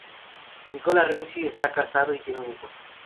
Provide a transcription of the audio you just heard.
Nicola Renzi, está casado y tiene un hijo.